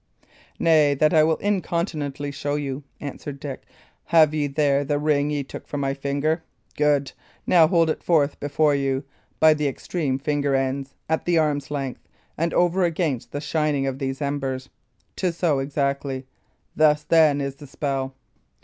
"Nay, that I will incontinently show you," answered Dick. "Have ye there the ring ye took from my finger? Good! Now hold it forth before you by the extreme finger ends, at the arm's length, and over against the shining of these embers. 'Tis so exactly. Thus, then, is the spell."